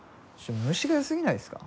虫がよすぎないですか？